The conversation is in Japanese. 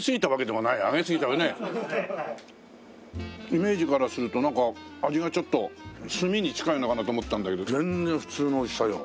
イメージからするとなんか味がちょっと炭に近いのかなと思ったんだけど全然普通のおいしさよ。